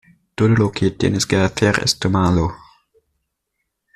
Todo lo que tienes que hacer es tomarlo".